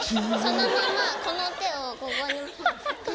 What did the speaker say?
そのままこの手をここに。